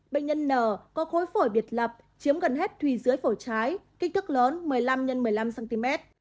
bệnh nhân n có khối phổi biệt lập chiếm gần hết thùy dưới phổi trái kích thước lớn một mươi năm x một mươi năm cm